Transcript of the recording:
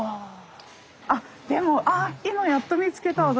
あっでもあ今やっと見つけた私。